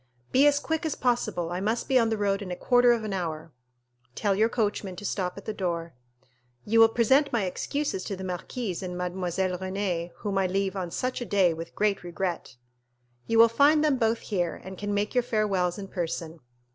"Be as quick as possible, I must be on the road in a quarter of an hour." "Tell your coachman to stop at the door." "You will present my excuses to the marquise and Mademoiselle Renée, whom I leave on such a day with great regret." "You will find them both here, and can make your farewells in person."